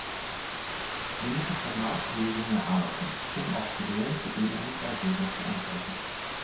Wir müssen pragmatische Lösungen erarbeiten, um auf die reellen Probleme unserer Bürger zu antworten.